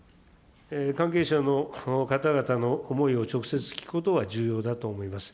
関係者の方々の思いを直接聞くことは重要だと思います。